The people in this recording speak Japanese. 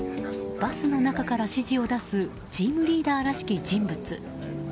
バスの中から指示を出すチームリーダーらしき人物。